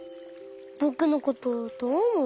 ぼくのことどうおもう？